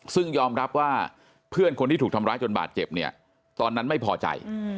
ซึ่งยอมรับว่าเพื่อนคนที่ถูกทำร้ายจนบาดเจ็บเนี่ยตอนนั้นไม่พอใจ